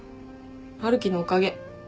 春樹のおかげ。